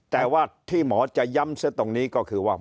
แต่ว่าที่หมอจะย้ำซะตรงนี้ก็คือว่า